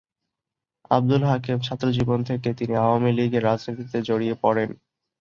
আব্দুল হাকিম ছাত্রজীবন থেকে তিনি আওয়ামীলীগের রাজনীতিতে জড়িয়ে পড়েন।